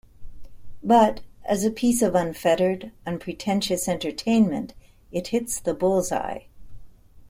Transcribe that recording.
But, as a piece of unfettered, unpretentious entertainment, it hits the bullseye.